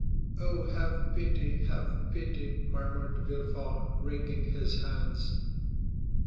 "Oh, have pity—have pity!" murmured Villefort, wringing his hands.